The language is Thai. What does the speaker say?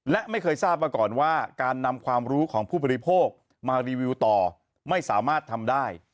และไม่เคยทราบมาก่อนว่าการนำความรู้ของผู้บริโภคมารีวิวต่อไม่สามารถทำได้